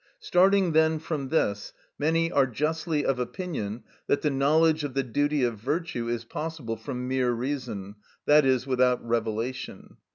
Starting, then, from this, many are justly of opinion that the knowledge of the duty of virtue is possible from mere reason, i.e., without revelation.